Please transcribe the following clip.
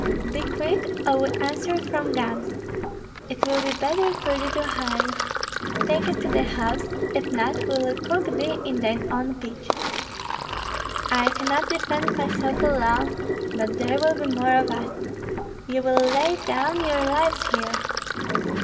"Be quick, or we answer from guns. It will be better for thee to hurry. Take us to the house; if not, we will cook thee in thy own pitch." "I cannot defend myself alone, but there will be more of us. Ye will lay down your lives here."